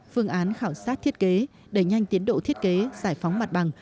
phương án khảo sát thiết kế đẩy nhanh tiến độ thiết kế giải phóng mặt bằng